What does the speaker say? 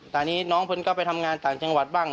ตอนนี้น้องเพื่อนก็ไปทำงานต่างจังหวัดบ้าง